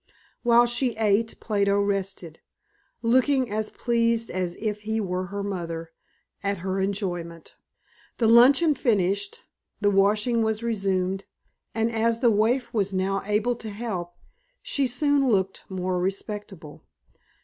While she ate Plato rested, looking as pleased as if he were her mother at her enjoyment. The luncheon finished, the washing was resumed, and as the waif was now able to help, she soon looked more respectable.